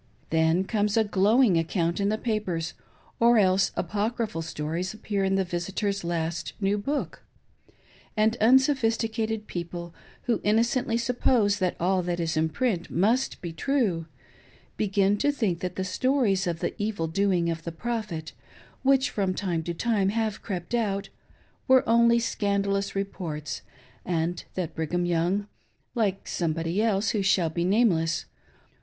Then comes a glowing account in the papers, or else apocryphal stories appear in the visitor's last new book ; and unsophisticated people, who innocently suppose that all that is in print must be true, begin to think that the stories of the evil doing of the Prophet, which from time to time have crept out, were only scandalous reports, and that Brigham Young — like Somebody else who shall be name less